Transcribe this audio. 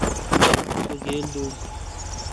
سو گیل دو۔